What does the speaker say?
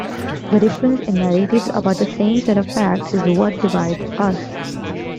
The difference in narratives, about the same set of facts, is what divides us.